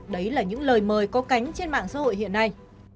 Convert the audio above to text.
đấy là những lời mời có cánh trên mạng xã hội hiện nay